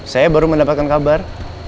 saya baru mendapatkan kabar